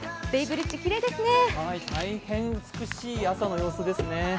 大変美しい朝の様子ですね。